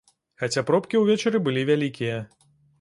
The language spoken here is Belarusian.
Хаця пробкі ўвечары былі вялікія.